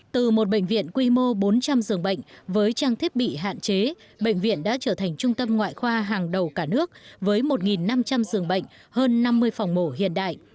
từ một bệnh viện quy mô bốn trăm linh giường bệnh với trang thiết bị hạn chế bệnh viện đã trở thành trung tâm ngoại khoa hàng đầu cả nước với một năm trăm linh giường bệnh hơn năm mươi phòng mổ hiện đại